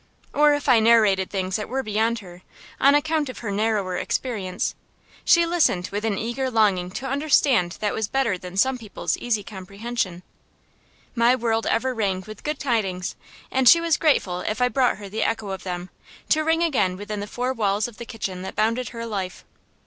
Or if I narrated things that were beyond her, on account of her narrower experience, she listened with an eager longing to understand that was better than some people's easy comprehension. My world ever rang with good tidings, and she was grateful if I brought her the echo of them, to ring again within the four walls of the kitchen that bounded her life.